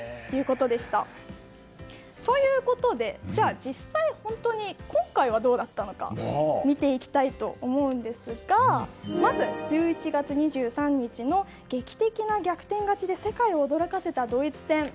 ということで、じゃあ実際今回はどうだったのか見ていきたいと思うんですがまず、１１月２３日の劇的な逆転勝ちで世界を驚かせたドイツ戦。